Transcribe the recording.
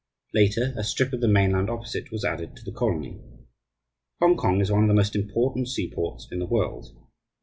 Later, a strip of the mainland opposite was added to the colony. Hongkong is one of the most important seaports in the world.